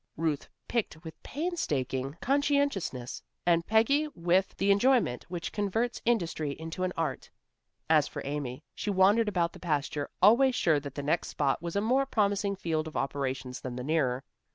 Ruth picked with painstaking conscientiousness, and Peggy with the enjoyment which converts industry into an art. As for Amy, she wandered about the pasture always sure that the next spot was a more promising field of operations than the nearer.